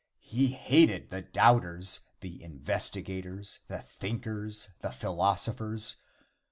He hated the doubters, the investigators, the thinkers, the philosophers.